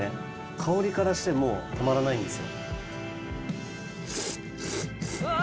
香りからしてもうたまらないんですよ。